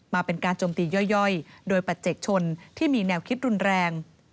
มาเป็นการจมตีย่อยโดยปัจเจกชนที่มีแนวคิดรุนแรง